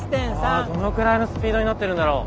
ああどのくらいのスピードになってるんだろう。